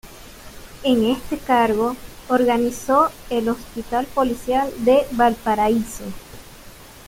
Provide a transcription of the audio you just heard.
En este cargo, organizó el Hospital Policial de Valparaíso.